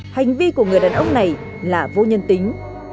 hành vi của người đàn ông này là vô nhân tính